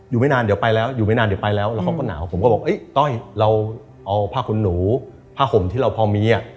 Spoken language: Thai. ไม่นานเดี๋ยวไปแล้วอยู่ไม่นานเดี๋ยวไปแล้วแล้วเขาก็หนาวผมก็บอกต้อยเราเอาผ้าขนหนูผ้าห่มที่เราพอมีอ่ะ